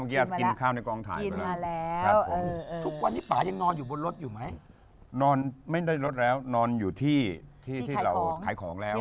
ก็ทำอยู่แล้วนอนอยู่ที่ที่ขายของแล้ว